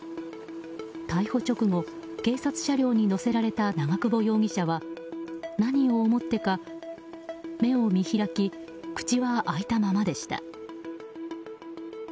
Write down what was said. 逮捕直後、警察車両に乗せられた長久保容疑者は何を思ってか、目を見開き口は開いたままでした。